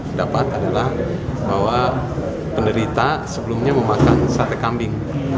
yang kita dapat adalah bahwa penderita sebelumnya memakan sate kambing